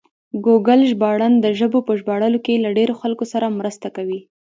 ګوګل ژباړن د ژبو په ژباړلو کې له ډېرو خلکو سره مرسته کوي.